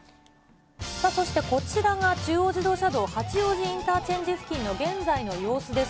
そしてこちらが中央自動車道八王子インターチェンジ付近の現在の様子です。